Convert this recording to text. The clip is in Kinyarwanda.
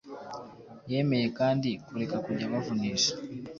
Yemeye kandi kureka kujya bavunisha